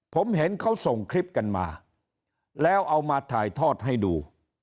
ผมเห็นเขาส่งคลิปกันมาแล้วเอามาถ่ายทอดให้ดู